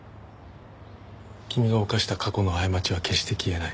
君が犯した過去の過ちは決して消えない。